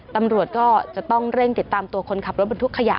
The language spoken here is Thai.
ตำรวจก็จะต้องเร่งติดตามตัวคนขับรถบรรทุกขยะ